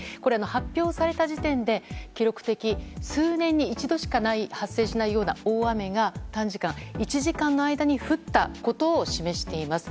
発表された時点で記録的、数年に一度しか発生しないような大雨が短時間、１時間の間に降ったことを示しています。